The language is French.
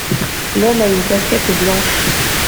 L’homme a une casquette blanche.